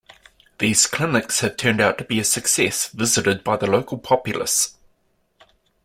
These clinics have turned out to be a success, visited by the local populace.